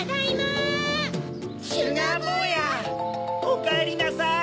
おかえりなさい！